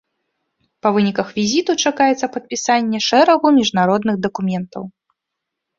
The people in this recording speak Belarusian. Па выніках візіту чакаецца падпісанне шэрагу міжнародных дакументаў.